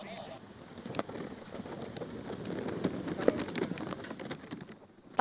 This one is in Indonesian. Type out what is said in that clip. tabur selang lama